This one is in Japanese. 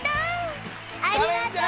ありがとう！